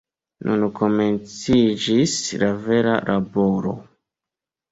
Nun komenciĝis la vera laboro!